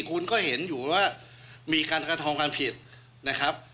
คุณก็เห็นอยู่ว่ามีการกระทำความผิดนะครับ